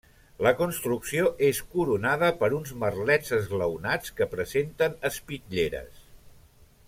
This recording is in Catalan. La construcció és coronada per uns merlets esglaonats que presenten espitlleres.